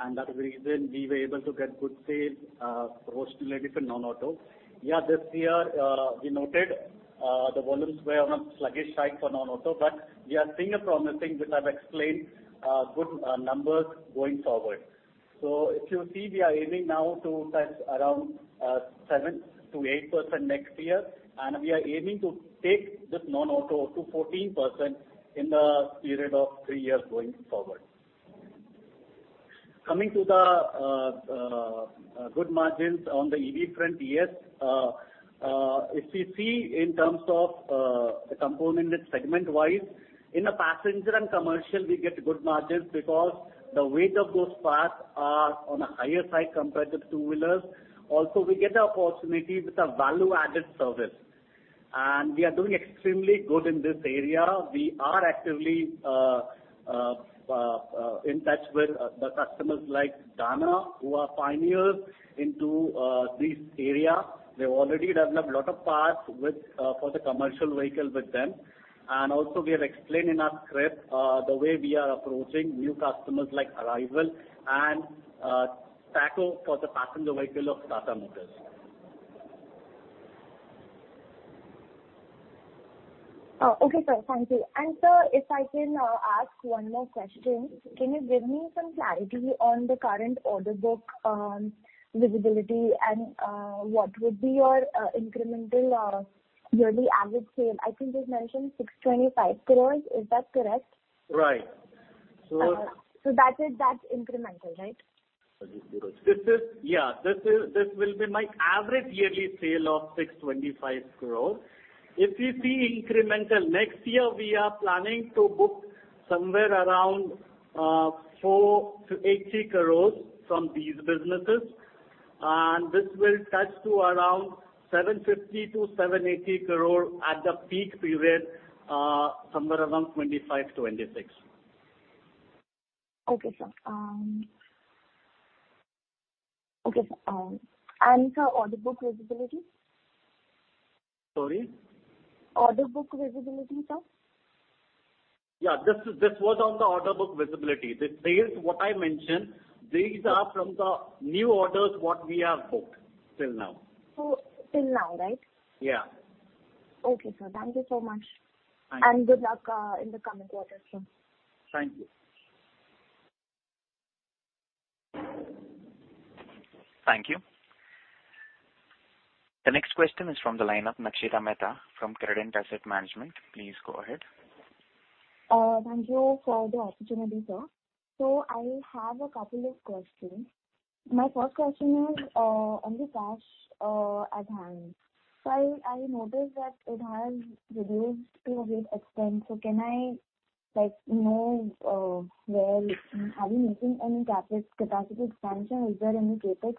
and that is the reason we were able to get good sales, mostly related to non-auto. Yeah, this year, we noted the volumes were on a sluggish side for non-auto, but we are seeing a promising, which I've explained, good numbers going forward. If you see, we are aiming now to touch around 7%-8% next year, and we are aiming to take this non-auto to 14% in the period of 3 years going forward. Coming to the good margins on the EV front, yes, if you see in terms of the component segment-wise, in a passenger and commercial, we get good margins because the weight of those parts are on a higher side compared to two-wheelers. We get the opportunity with a value-added service. We are doing extremely good in this area. We are actively in touch with the customers like Dana, who are pioneers into this area. We've already developed a lot of parts with for the commercial vehicle with them. We have explained in our script the way we are approaching new customers like Arrival and Tata AutoComp for the passenger vehicle of Tata Motors. Oh, okay, sir. Thank you. Sir, if I can ask one more question. Can you give me some clarity on the current order book, visibility and what would be your incremental yearly average sale? I think you've mentioned 625 crore. Is that correct? Right. That is, that's incremental, right? This will be my average yearly sale of 625 crore. If you see incremental, next year, we are planning to book somewhere around 4 crore-8 crore from these businesses, and this will touch to around 750 crore-780 crore at the peak period, somewhere around 2025, 2026. Okay, sir. Okay. Sir, order book visibility? Sorry? Order book visibility, sir. Yeah. This was on the order book visibility. The sales what I mentioned, these are from the new orders what we have booked till now. Till now, right? Yeah. Okay, sir. Thank you so much. Thank you. Good luck in the coming quarters, sir. Thank you. Thank you. The next question is from the line of Nakshita Mehta from Credent Asset Management. Please go ahead. Thank you for the opportunity, sir. I have a couple of questions. My first question is on the cash at hand. I noticed that it has reduced to a great extent, so can I like know where have you making any CapEx capacity expansion? Is there any CapEx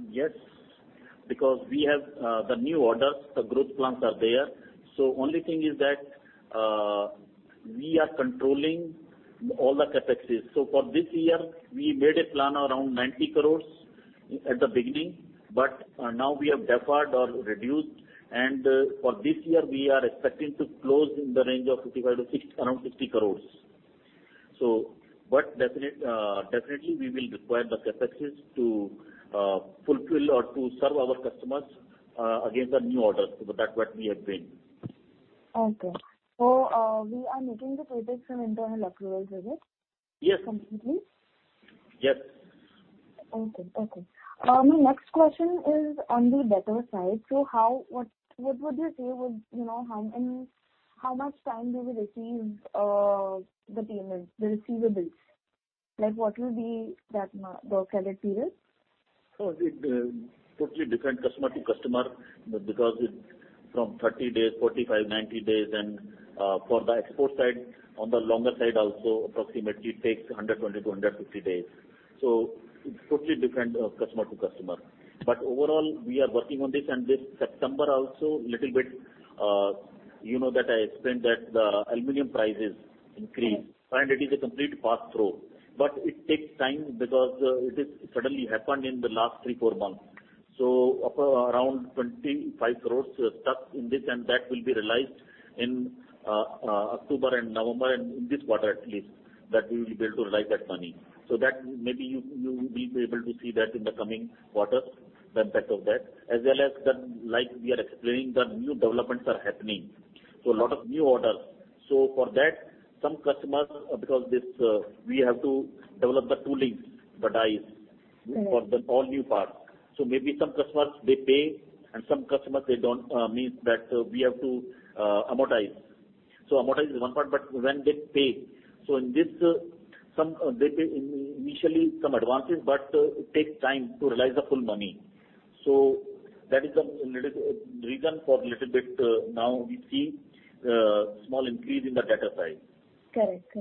that Yes, because we have the new orders, the growth plans are there. Only thing is that we are controlling all the CapExes. For this year, we made a plan around 90 crores at the beginning, but now we have deferred or reduced. For this year we are expecting to close in the range of 55 crores-60 crores. Definitely we will require the CapExes to fulfill or to serve our customers against the new orders. That's what we have been. Okay. We are making the CapEx an internal approval, is it? Yes. Completely. Yes. Okay. My next question is on the debtor side. What would you say would, you know, in how much time you will receive the payments, the receivables? Like, what will be that the credit period? It totally different customer to customer because it's from 30 days, 45, 90 days. For the export side, on the longer side also approximately it takes 120 to 150 days. It totally depend on customer to customer. But overall we are working on this and this September also little bit, you know, that I explained that the aluminum prices increased and it is a complete pass-through. But it takes time because it is suddenly happened in the last three, four months. Up around 25 crores are stuck in this and that will be realized in October and November and in this quarter at least that we will be able to realize that money. That maybe you will be able to see that in the coming quarters, the impact of that, as well as the, like we are explaining, the new developments are happening. A lot of new orders. For that some customers, because this, we have to develop the toolings, the dies- Mm-hmm. for the all new parts. Maybe some customers they pay and some customers they don't, means that we have to amortize. Amortize is one part, but when they pay. In this, some they pay initially some advances, but it takes time to realize the full money. That is the little reason for little bit now we see small increase in the debtor side. Correct. Okay. Understood. My next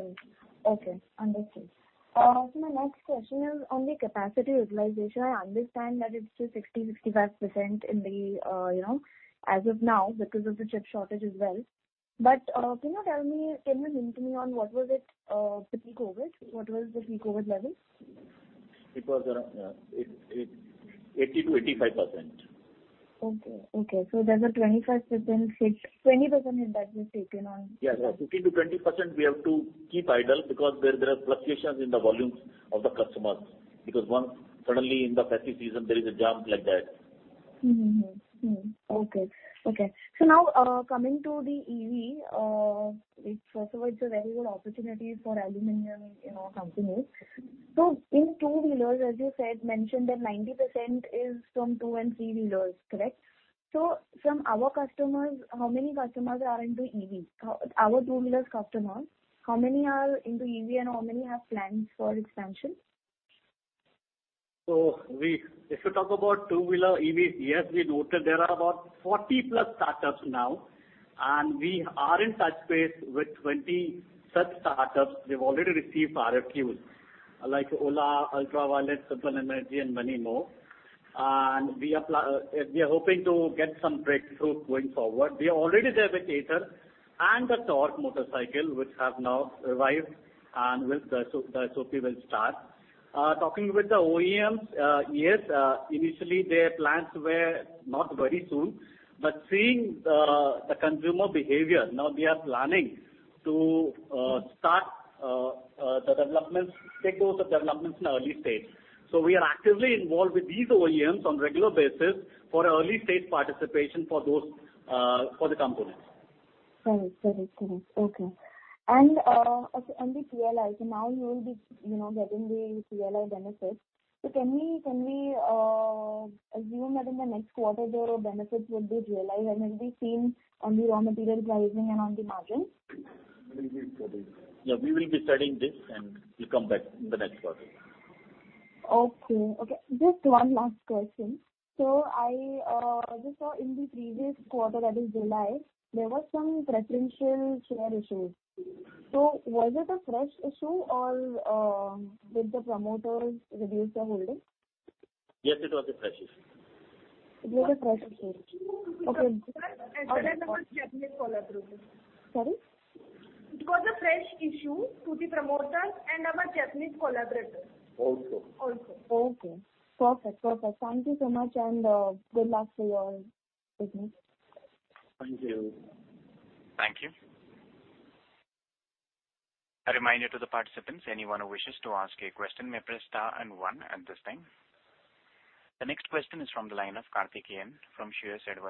question is on the capacity utilization. I understand that it's just 60%-65% in the, you know, as of now because of the chip shortage as well. Can you tell me what it was like pre-COVID? What was the pre-COVID level? It was around 80%-85%. Okay. There's a 25% hit. 20% hit that was taken on- Yes. Yeah. 15%-20% we have to keep idle because there are fluctuations in the volumes of the customers. Because once suddenly in the festive season there is a jump like that. Now, coming to the EV, it's first of all a very good opportunity for aluminum, you know, companies. In two-wheelers, as you mentioned that 90% is from two- and three-wheelers, correct? From our customers, how many customers are into EV? Our two-wheelers customers, how many are into EV and how many have plans for expansion? If you talk about two-wheeler EVs, yes, we noted there are about 40+ startups now, and we are in touch with 20 such startups. They've already received RFQs, like Ola, Ultraviolette, Simple Energy and many more. We are hoping to get some breakthrough going forward. We already have Ather and the Tork motorcycle which have now arrived and with the SOP will start. Talking with the OEMs, yes, initially their plans were not very soon, but seeing the consumer behavior, now they are planning to start the developments, take those developments in early stage. We are actively involved with these OEMs on regular basis for early stage participation for those for the components. Correct. Okay. On the PLI, now you will be, you know, getting the PLI benefits. Can we assume that in the next quarter their benefits would be realized and it'll be seen on the raw material pricing and on the margins? Yeah. We will be studying this and we'll come back in the next quarter. Okay. Just one last question. I just saw in the previous quarter, that is July, there was some preferential share issues. Was it a fresh issue or did the promoters reduce their holding? Yes, it was a fresh issue. It was a fresh issue. Okay. Our Japanese collaborator. Sorry? It was a fresh issue to the promoters and our Japanese collaborator. Also. Also. Okay. Perfect. Perfect. Thank you so much, and good luck for your business. Thank you. Thank you. A reminder to the participants, anyone who wishes to ask a question, may press star and one at this time. The next question is from the line of Kartik Ayan from Sharekhan.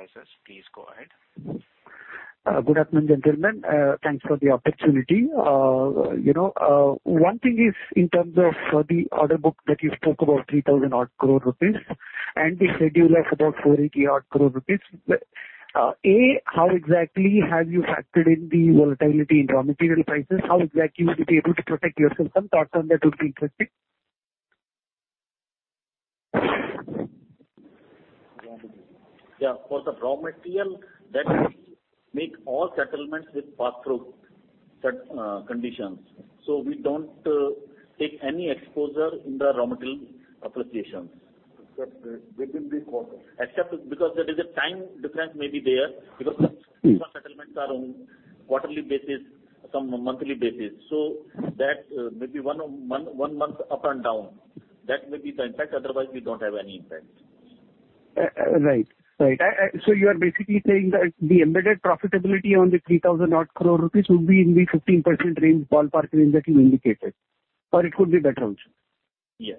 Please go ahead. Good afternoon, gentlemen. Thanks for the opportunity. You know, one thing is in terms of the order book that you spoke about, 3,000-odd crore rupees and the schedule of about 480-odd crore rupees. How exactly have you factored in the volatility in raw material prices? How exactly will you be able to protect yourself? Some thoughts on that would be interesting. Yeah, for the raw material, that make all settlements with pass-through set conditions. We don't take any exposure in the raw material applications. Except within the quarter. Except because there is a time difference, maybe there. Mm-hmm. Because most settlements are on quarterly basis, some on monthly basis. That may be one month up and down. That may be the impact. Otherwise, we don't have any impact. You are basically saying that the embedded profitability on the 3,000-odd crore rupees will be in the 15% range, ballpark range that you indicated, or it could be better also? Yes.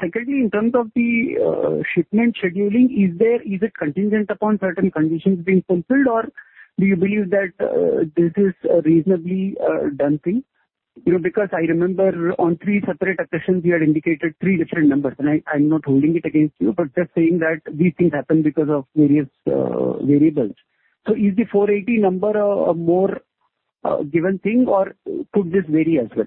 Secondly, in terms of the shipment scheduling, is it contingent upon certain conditions being fulfilled, or do you believe that this is a reasonably done thing? You know, because I remember on three separate occasions, we had indicated three different numbers, and I'm not holding it against you, but just saying that these things happen because of various variables. Is the 480 number a more given thing or could this vary as well?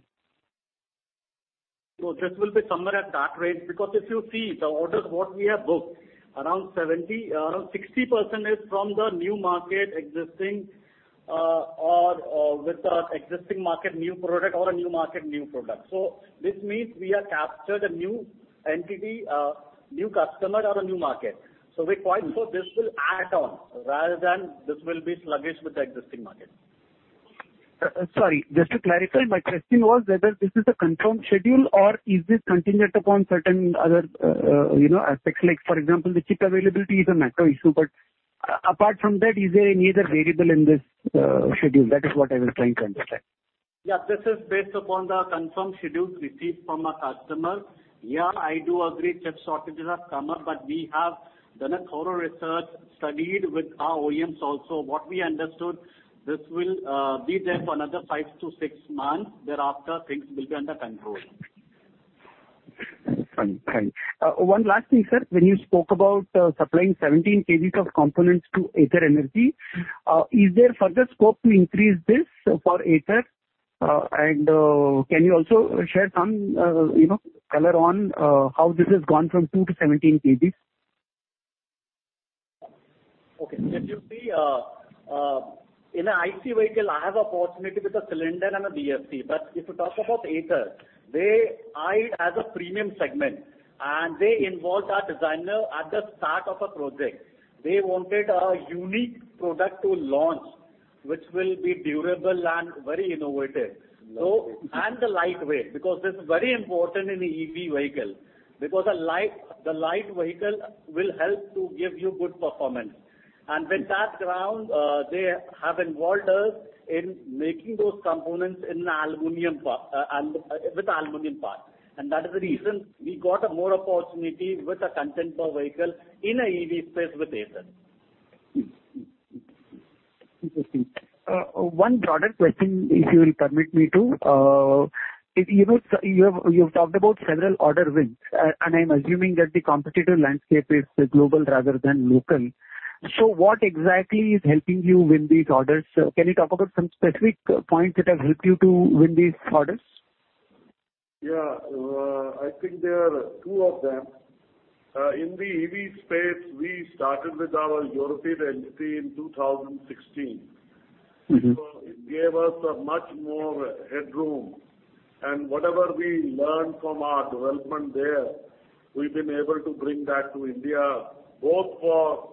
No, this will be somewhere at that rate, because if you see the orders, what we have booked, around 70, around 60% is from the new market existing, or with our existing market new product or a new market new product. This means we have captured a new entity, new customer or a new market. This will add on rather than this will be sluggish with the existing market. Sorry. Just to clarify, my question was whether this is a confirmed schedule or is this contingent upon certain other, you know, aspects like, for example, the chip availability is a macro issue, but apart from that, is there any other variable in this schedule? That is what I was trying to understand. Yeah. This is based upon the confirmed schedules received from our customers. Yeah, I do agree chip shortages have come up, but we have done a thorough research, studied with our OEMs also. What we understood, this will be there for another five to six months. Thereafter, things will be under control. Understood. Thank you. One last thing, sir. When you spoke about supplying 17 kg of components to Ather Energy, is there further scope to increase this for Ather? Can you also share some, you know, color on how this has gone from two to 17 kg? Okay. If you see, in an ICE vehicle, I have opportunity with a cylinder and a DFV. If you talk about Ather, they are in a premium segment, and they involved our designer at the start of a project. They wanted a unique product to launch, which will be durable and very innovative. Lovely. Lightweight, because this is very important in an EV vehicle, because a light vehicle will help to give you good performance. With that in mind, they have involved us in making those components in aluminum parts. That is the reason we got more opportunity with the content per vehicle in an EV space with Ather. Interesting. One broader question, if you will permit me to. If you know, you have talked about several order wins, and I'm assuming that the competitive landscape is global rather than local. What exactly is helping you win these orders? Can you talk about some specific points that have helped you to win these orders? Yeah. I think there are two of them. In the EV space, we started with our European entity in 2016. Mm-hmm. It gave us a much more headroom. Whatever we learned from our development there, we've been able to bring that to India, both for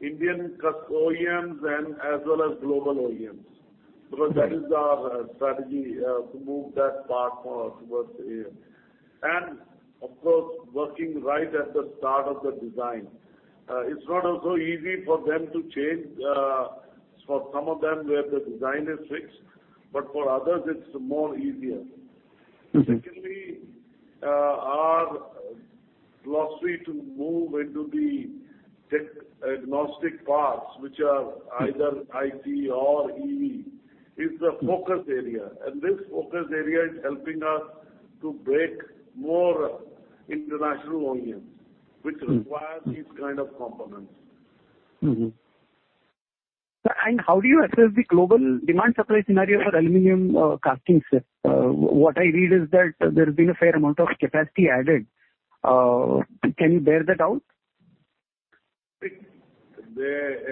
Indian OEMs and as well as global OEMs. Right. That is our strategy to move that part towards the EV. Of course, working right at the start of the design, it's not always easy for them to change for some of them where the design is fixed, but for others it's easier. Mm-hmm. Secondly, our philosophy to move into the tech-agnostic parts, which are either ICE or EV, is the focus area, and this focus area is helping us to break more international OEMs, which require these kind of components. Mm-hmm. Sir, how do you assess the global demand supply scenario for aluminum castings? What I read is that there has been a fair amount of capacity added. Can you bear that out?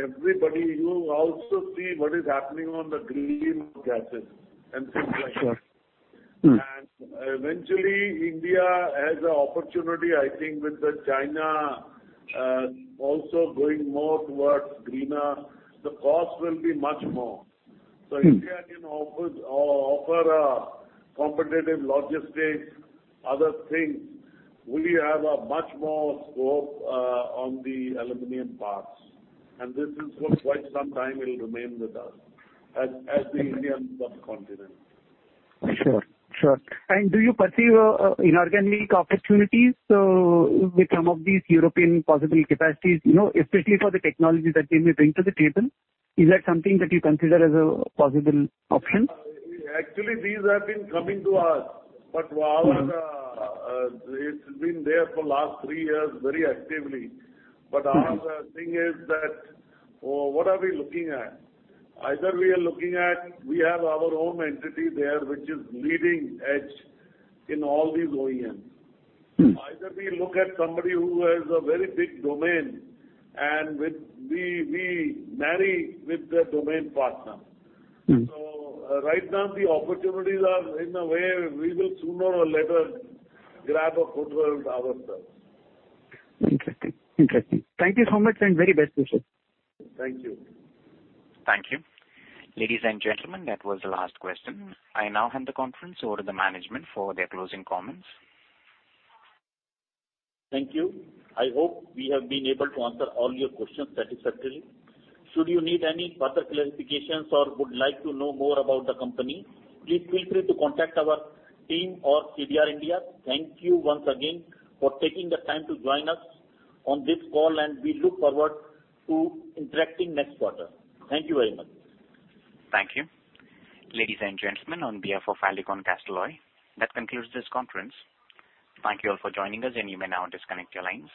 Everybody, you also see what is happening on the greenhouse gases and things like that. Sure. Mm-hmm. Eventually, India has an opportunity, I think with China also going more towards greener, the cost will be much more. Mm-hmm. India can offer a competitive logistics, other things. We have a much more scope on the aluminum parts, and this is for quite some time it will remain with us as the Indian subcontinent. Sure. Do you perceive inorganic opportunities with some of these European possible capacities? You know, especially for the technology that they may bring to the table. Is that something that you consider as a possible option? Actually, these have been coming to us, but our, it's been there for last three years very actively. Our thing is that, what are we looking at? Either we are looking at, we have our own entity there, which is leading edge in all these OEMs. Mm-hmm. Either we look at somebody who has a very big domain and we marry with the domain partner. Mm-hmm. Right now the opportunities are in a way we will sooner or later grab a foothold ourselves. Interesting. Thank you so much and very best wishes. Thank you. Thank you. Ladies and gentlemen, that was the last question. I now hand the conference over to the management for their closing comments. Thank you. I hope we have been able to answer all your questions satisfactorily. Should you need any further clarifications or would like to know more about the company, please feel free to contact our team or CDR India. Thank you once again for taking the time to join us on this call, and we look forward to interacting next quarter. Thank you very much. Thank you. Ladies and gentlemen, on behalf of Alicon Castalloy, that concludes this conference. Thank you all for joining us, and you may now disconnect your lines.